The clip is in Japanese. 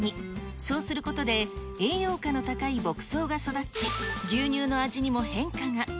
そうすることで、栄養価の高い牧草が育ち、牛乳の味にも変化が。